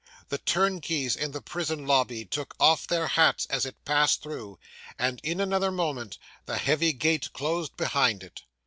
The turnkeys in the prison lobby took off their hats as it passed through, and in another moment the heavy gate closed behind it.